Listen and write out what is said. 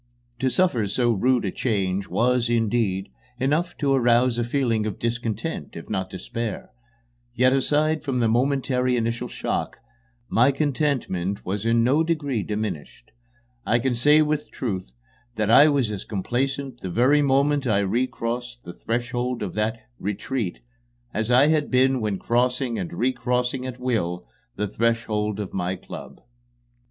To suffer so rude a change was, indeed, enough to arouse a feeling of discontent, if not despair; yet, aside from the momentary initial shock, my contentment was in no degree diminished. I can say with truth that I was as complacent the very moment I recrossed the threshold of that "retreat" as I had been when crossing and recrossing at will the threshold of my club.